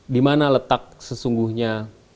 dimana letak sesungguhnya